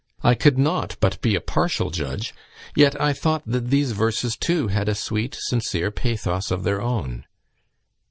I could not but be a partial judge, yet I thought that these verses too had a sweet sincere pathos of their own.